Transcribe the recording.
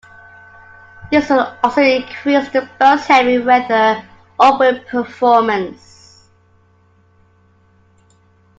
This will also increase the boat's heavy weather upwind performance.